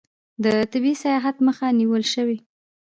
د طبي سیاحت مخه نیول شوې؟